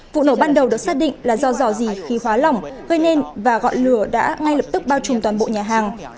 vụ nổ ban đầu được xác định là do giò dì khí hóa lỏng gây nên và gọn lửa đã ngay lập tức bao trùm toàn bộ nhà hàng